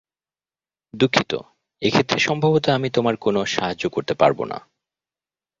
দুঃখিত, এক্ষেত্রে সম্ভবত আমি তোমার কোনো সাহায্য করতে পারবো না।